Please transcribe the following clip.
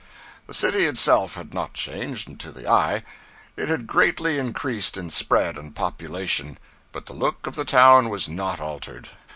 The city itself had not changed to the eye. It had greatly increased in spread and population, but the look of the town was not altered.